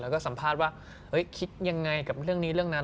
แล้วก็สัมภาษณ์ว่าคิดยังไงกับเรื่องนี้เรื่องนั้น